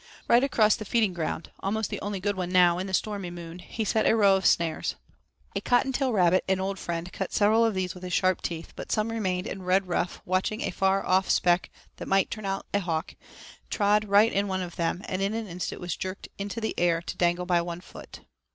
Right across the feeding ground, almost the only good one now in the Stormy Moon, he set a row of snares. A cottontail rabbit, an old friend, cut several of these with his sharp teeth, but some remained, and Redruff, watching a far off speck that might turn out a hawk, trod right in one of them, and in an instant was jerked into the air to dangle by one foot.